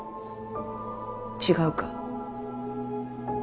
違うか？